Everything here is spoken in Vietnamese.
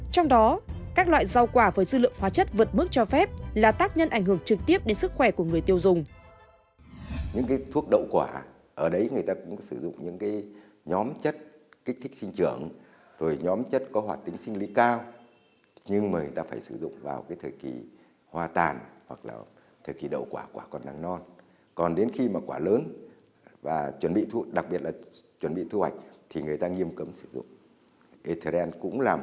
trong đó các loại rau quả với dư lượng hóa chất vượt mức cho phép là tác nhân ảnh hưởng trực tiếp đến sức khỏe của người tiêu dùng